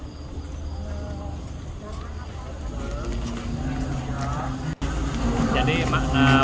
pradaksina ini menutup rangkaian kegiatan waisak tahun dua ribu dua puluh empat